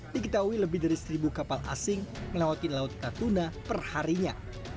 diketahui lebih dari seribu kapal asing melewati laut natuna perharinya